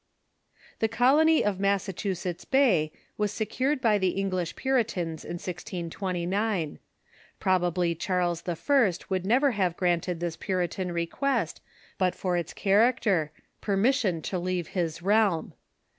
The Colony of Massachusetts Bay was secured by the Eng lish Puritans in 1G29. Probably Charles I. would never have granted this Puritan request but for its cliaracter '^Br^Coufnv — permission to leave his realm.